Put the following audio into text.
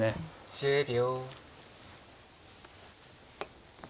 １０秒。